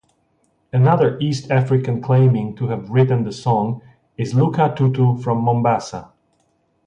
Another East African claiming to have written the song is Lucas Tututu from Mombasa.